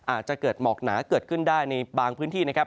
อาจจะเกิดหมอกหนาเกิดขึ้นได้ในบางพื้นที่นะครับ